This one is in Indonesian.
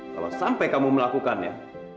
kalau sampai kamu melakukannya